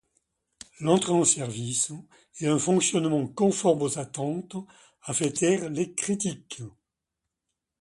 L'entrée en service et un fonctionnement conforme aux attentes a fait taire les critiques.